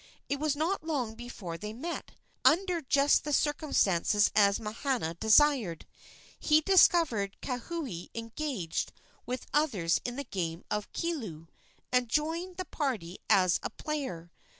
It was not long before they met, under just such circumstances as Mahana desired. He discovered Kauhi engaged with others in the game of kilu, and joined the party as a player.